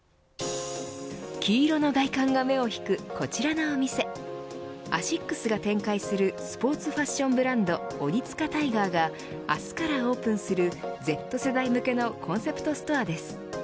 黄色の外観が目を引くこちらのお店アシックスが展開するスポーツファッションブランドオニツカタイガーが明日からオープンするＺ世代向けのコンセプトストアです。